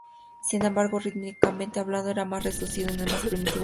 Sin embargo, rítmicamente hablando, es más reducido, es más primitivo, me parece.